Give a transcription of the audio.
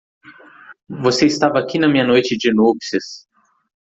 Você estava aqui na minha noite de núpcias.